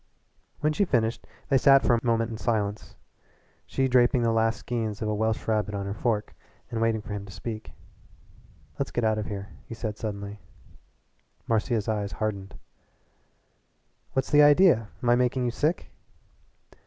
When she finished they sat for a moment in silence she draping the last skeins of a Welsh rabbit on her fork and waiting for him to speak. "Let's get out of here," he said suddenly. Marcia's eyes hardened. "What's the idea? Am I making you sick?"